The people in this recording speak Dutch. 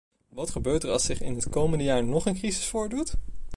Wat gebeurt er als zich in het komende jaar nog een crisis voordoet?